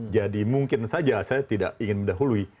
jadi mungkin saja saya tidak ingin mendahului